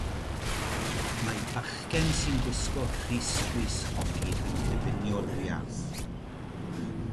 Mae bachgen sy'n gwisgo crys chwys hoci yn cribinio'r buarth.